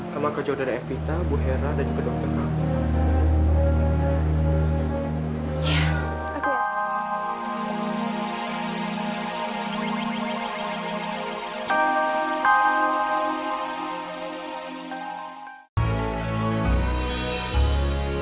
kamu akan menjauh dari evita bu hera dan juga dokter kamu